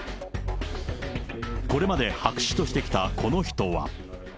これまで白紙としてきたこの人は。